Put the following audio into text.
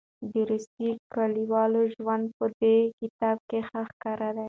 د روسیې کلیوال ژوند په دې کتاب کې ښه ښکاري.